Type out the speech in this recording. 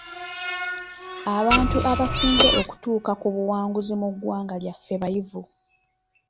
Abantu abasinze okutuuka ku buwanguzi mu ggwanga lyaffe bayivu.